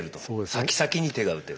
先先に手が打てる。